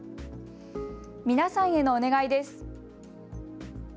皆さんへのお願いです。